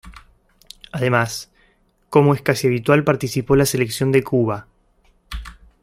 Además, como es casi habitual participó la Selección de Cuba.